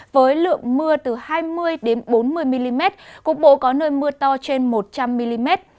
với lượng mưa từ hai mươi bốn mươi mm cục bộ có nơi mưa to trên một trăm linh mm